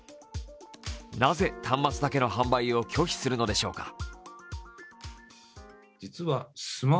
なぜ端末だけの販売を拒否するのでしょうか。